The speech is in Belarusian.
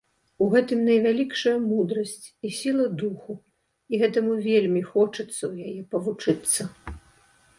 У гэтым найвялікшая мудрасць і сіла духу, і гэтаму вельмі хочацца ў яе павучыцца.